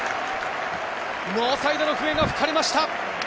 ノーサイドの笛が吹かれました。